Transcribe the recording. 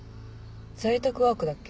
在宅ワークだっけ？